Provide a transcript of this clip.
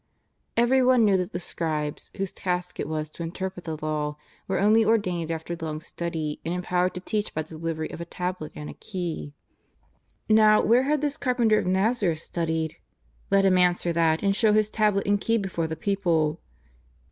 Everyone knew that the scribes, whose task it was to interpret the Law, were only ordained after long study, and empowered to teach by the delivery of a tablet and a key. Now, where had this carpenter of Nazareth studied ? Let Him answer that and show His tablet and key before the people.